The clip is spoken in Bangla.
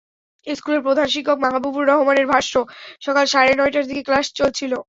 স্কুলের প্রধান শিক্ষক মাহাবুবুর রহমানের ভাষ্য, সকাল সাড়ে নয়টার দিকে ক্লাস চলছিল।